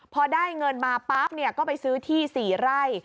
พอได้เงินมาปั๊บก็ไปซื้อที่๔ไร่